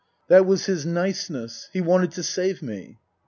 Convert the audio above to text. That was his niceness. He wanted to save me."